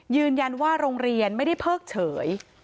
ยืนยันว่าโรงเรียนไม่ได้เพิกเฉย